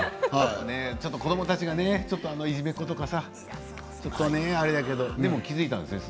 ちょっと子どもたちがねいじめっ子とかさ、あれだけどでも気付いたんですよね